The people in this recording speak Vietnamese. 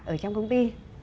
ở trong công ty